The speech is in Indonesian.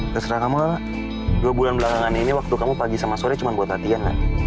terserah kamu dua bulan belakangan ini waktu kamu pagi sama sore cuma buat latihan lah